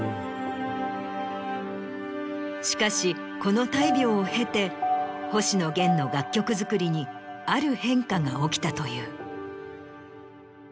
しかしこの大病を経て星野源の楽曲作りにある変化が起きたという。